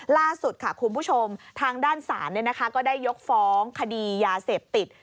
ล่าสุดค่ะคุณผู้ชมทางด้านศาลก็ได้ยกฟ้องคดียาเสพติด